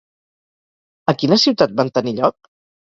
A quina ciutat van tenir lloc?